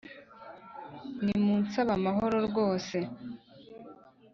: Nimunsabe amahoro rwose